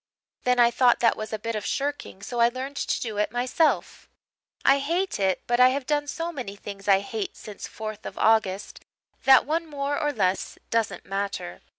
Then I thought that was a bit of shirking, so I learned to do it myself. I hate it but I have done so many things I hate since 4th of August that one more or less doesn't matter.